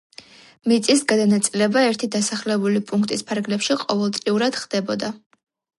მიწის გადანაწილება ერთი დასახლებული პუნქტის ფარგლებში ყოველწლიურად ხდებოდა.